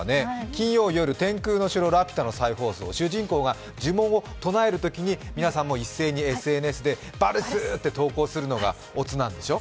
金曜夜、「天空の城ラピュタ」の再放送、主人公が呪文を唱えるときに皆さんも一斉にＳＮＳで「バルス！」って投稿するのがおつなんでしょ？